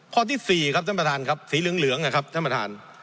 ข้อที่๔ครับท่านประธานครับสีเหลืองนะครับท่านประธาน